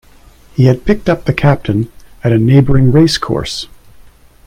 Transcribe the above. He had picked up the captain at a neighbouring race-course.